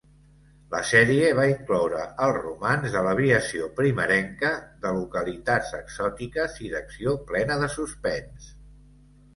La sèrie va incloure el romanç de l'aviació primerenca, de localitats exòtiques i d'acció plena de suspens.